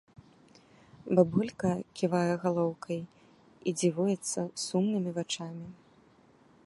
Бабулька ківае галоўкай і дзівуецца сумнымі вачамі.